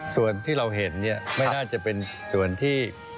ส่วนที่เราเห็นเนี่ยไม่น่าจะเป็นส่วนที่